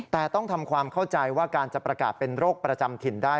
แต่ต้องทำความเข้าใจว่าการจะประกาศเป็นโรคประจำถิ่นได้